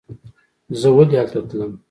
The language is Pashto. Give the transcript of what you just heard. زه ولې هلته تلم.